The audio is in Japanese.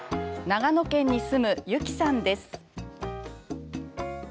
長野県に住む、ゆきさんです。